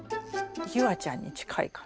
夕空ちゃんに近いかな。